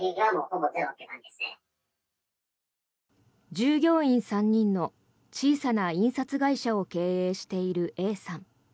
従業員３人の小さな印刷会社を経営しているＡさん。